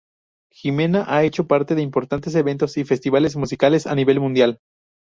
Jimena ha hecho parte de importantes eventos y festivales musicales a nivel mundial.